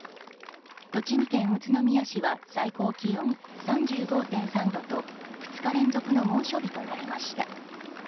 栃木県宇都宮市は最高気温３５．３度と２日連続の猛暑日となりました。